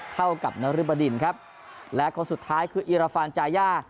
เท่ากับนฤบดินครับแล้วก็สุดท้ายคืออิรฟาลจาย่า